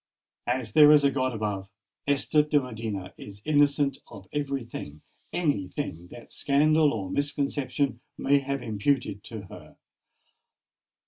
As there is a God above, Esther de Medina is innocent of every thing—any thing that scandal or misconception may have imputed to her.